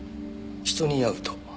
人に会うと。